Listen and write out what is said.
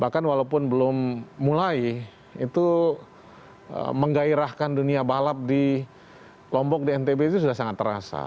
bahkan walaupun belum mulai itu menggairahkan dunia balap di lombok di ntb itu sudah sangat terasa